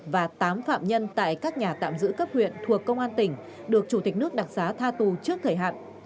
và tám phạm nhân tại các nhà tạm giữ cấp huyện thuộc công an tỉnh được chủ tịch nước đặc giá tha tù trước thời hạn